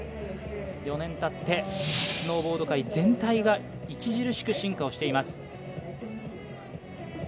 ４年たってスノーボード界全体が著しく進化をしています。